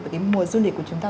với cái mùa du lịch của chúng ta